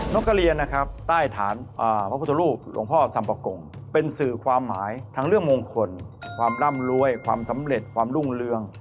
กระเรียนนะครับใต้ฐานพระพุทธรูปหลวงพ่อสัมปะกงเป็นสื่อความหมายทั้งเรื่องมงคลความร่ำรวยความสำเร็จความรุ่งเรือง